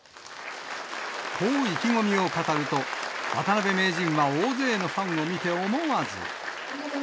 こう意気込みを語ると、渡辺名人は大勢のファンを見て思わず。